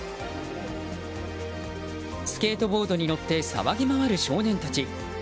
スケートボードに乗って騒ぎまわる少年たち。